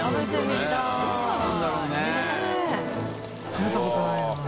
食べたことないな。